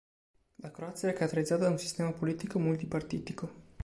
La Croazia è caratterizzata da un sistema politico multipartitico.